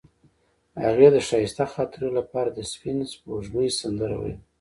هغې د ښایسته خاطرو لپاره د سپین سپوږمۍ سندره ویله.